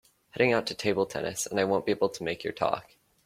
Heading out to table tennis and I won’t be able to make your talk.